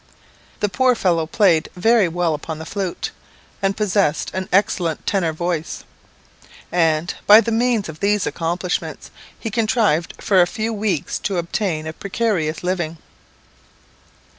"The poor fellow played very well upon the flute, and possessed an excellent tenor voice; and, by the means of these accomplishments, he contrived for a few weeks to obtain a precarious living.